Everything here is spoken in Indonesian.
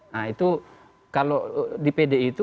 nah itu kalau di pdi itu